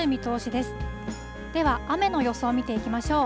では、雨の予想を見ていきましょう。